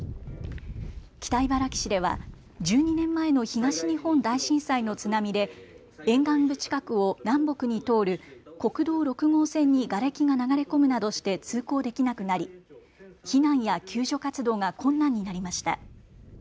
北茨城市では１２年前の東日本大震災の津波で沿岸部近くを南北に通る国道６号線にがれきが流れ込むなどして通行できなくなり避難や救助活動が困難になりました。